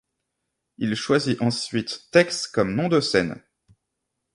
Il choisit ensuite Tex comme nom de scène.